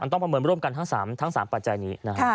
ต้องประเมินมาร่วมกันทั้ง๓ปัจจัยนี้